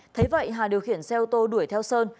thấy vậy hà điều khiển xe ô tô đuổi theo sơn